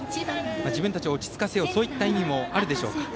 自分たちを落ち着かせようという意味もあるでしょうか。